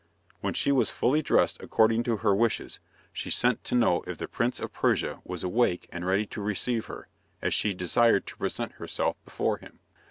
When she was fully dressed according to her wishes, she sent to know if the Prince of Persia was awake and ready to receive her, as she desired to present herself before him.